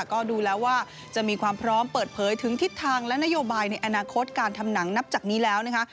ก็ดูแล้วว่าจะมีความพร้อมเปิดเผยถึงทิศทางและนโยบายในอนาคตการทำหนังนับจากนี้แล้วนะคะ